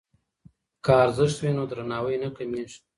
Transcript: که ارزښت وي نو درناوی نه کمېږي.